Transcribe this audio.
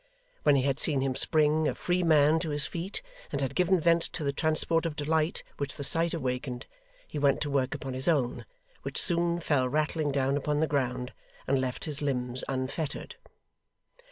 When he had seen him spring, a free man, to his feet, and had given vent to the transport of delight which the sight awakened, he went to work upon his own, which soon fell rattling down upon the ground, and left his limbs unfettered.